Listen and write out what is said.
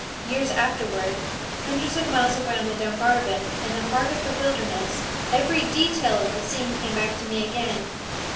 Years afterward, hundreds of miles away on the Dungarvon, in the heart of the wilderness, every detail of the scene came back to me again.